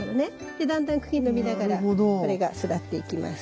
でだんだん茎伸びながらこれが育っていきます。